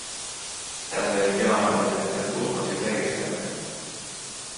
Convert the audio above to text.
Tällöin Jaana oli menettänyt uskonsa järjestelmään.